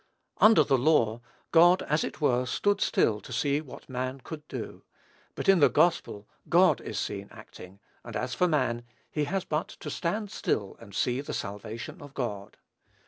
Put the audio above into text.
Under the law, God as it were stood still to see what man could do; but in the gospel God is seen acting, and as for man, he has but to "stand still and see the salvation of God."